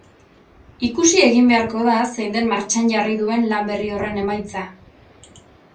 Ikusi egin beharko da zein den martxan jarri duen lan berri horren emaitza.